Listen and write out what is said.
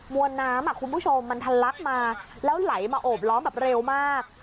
วนน้ำคุณผู้ชมมันทันลักมาแล้วไหลมาโอบล้อมแบบเร็วมาก